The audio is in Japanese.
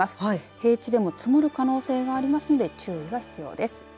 平地でも積もる可能性がありますので注意が必要です。